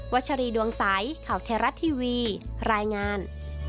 ชัชรีดวงใสข่าวเทราะทีวีรายงาน